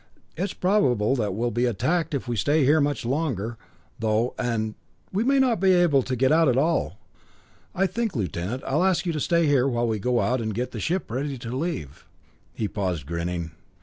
It's probable that we'll be attacked if we stay here much longer, though and we may not be able to get out at all. I think, Lieutenant, I'll ask you to stay here while we go out and get the ship ready to leave." He paused, grinning.